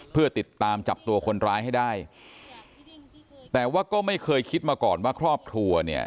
เพื่อติดตามจับตัวคนร้ายให้ได้แต่ว่าก็ไม่เคยคิดมาก่อนว่าครอบครัวเนี่ย